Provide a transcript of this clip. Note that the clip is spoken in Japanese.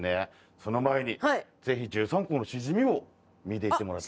その前にぜひ十三湖のシジミを見ていってもらって。